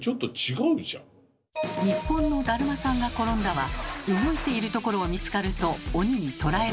日本の「だるまさんがころんだ」は動いているところを見つかると鬼に捕らえられます。